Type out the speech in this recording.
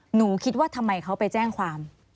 หนูคิดว่าทำไมเขาไปแจ้งความ